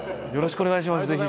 「よろしくお願いします。